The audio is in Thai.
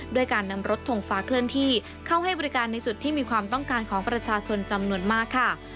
ด้วยการนำรถทงฟ้าเคลื่อนที่เข้าให้บริการในจุดที่มีความต้องการของประชาชนจำนวนมากค่ะ